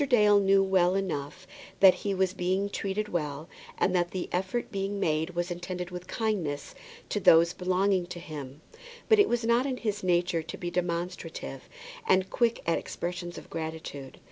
Dale knew well enough that he was being treated well, and that the effort being made was intended with kindness to those belonging to him; but it was not in his nature to be demonstrative and quick at expressions of gratitude.